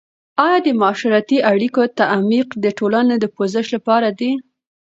آیا د معاشرتي اړیکو تعمیق د ټولنو د پوزش لپاره دی؟